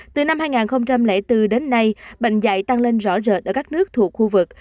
từ năm hai nghìn bốn đến nay bệnh dạy tăng lên rõ rệt ở các nước thuộc khu vực